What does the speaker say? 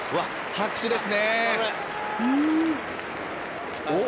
拍手ですね。